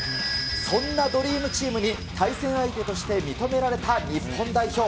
そんなドリームチームに対戦相手として認められた日本代表。